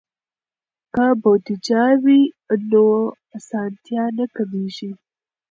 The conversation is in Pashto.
که بودیجه وي نو اسانتیا نه کمېږي.